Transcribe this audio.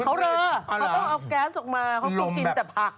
เขาต้องเอาแก๊สกลงโปรดมาเขากินแต่ผัก